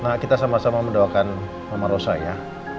nah kita sama sama mendoakan sama rosa ya